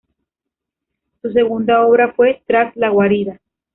Su segunda obra fue 'Tras la guarida'.